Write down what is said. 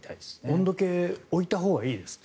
温度計を置いたほうがいいですね。